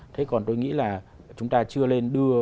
thế còn tôi nghĩ là chúng ta chưa lên đưa